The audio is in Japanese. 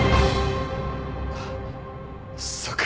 あっそっか。